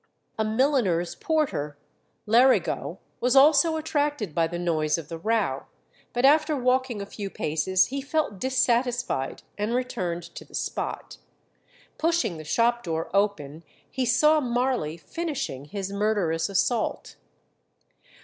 A milliner's porter, Lerigo, was also attracted by the noise of the row, but after walking a few paces he felt dissatisfied, and returned to the spot. Pushing the shop door open, he saw Marley finishing his murderous assault.